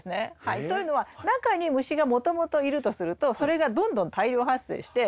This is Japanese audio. というのは中に虫がもともといるとするとそれがどんどん大量発生して。